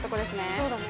そうだね。